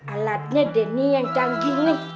alatnya deh nih yang canggih nih